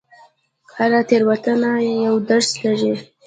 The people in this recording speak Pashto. هره تېروتنه یو درس لري.